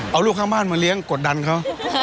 เอาลูกข้างบ้านมาเลี้ยงกดดันเขา